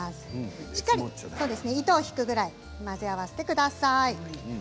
しっかり糸を引くぐらいまで混ぜ合わせてください。